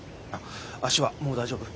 足はもう大丈夫？